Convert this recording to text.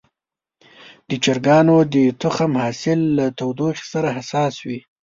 د چرګانو د تخم حاصل له تودوخې سره حساس وي.